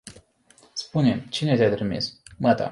Spune-mi, cine te-a trimis?